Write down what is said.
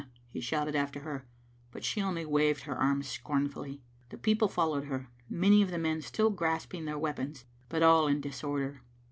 he shouted after her, but she only waved her arms scornfully. The people followed her, many of the men still grasping their weapons, but all in disor der.